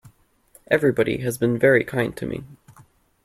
Everybody has been very kind to me.